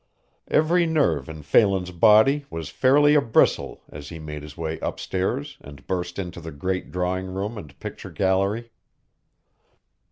Every nerve in Phelan's body was fairly a bristle as he made his way upstairs and burst into the great drawing room and picture gallery.